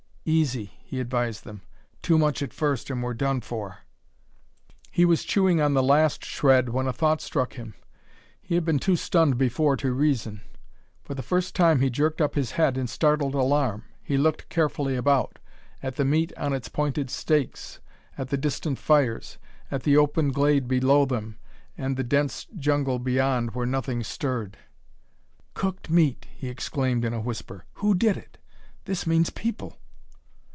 "Easy," he advised them; "too much at first and we're done for." He was chewing on the last shred when a thought struck him; he had been too stunned before to reason. For the first time he jerked up his head in startled alarm. He looked carefully about at the meat on its pointed stakes, at the distant fires, at the open glade below them and the dense jungle beyond where nothing stirred. "Cooked meat!" he exclaimed in a whisper. "Who did it? This means people!"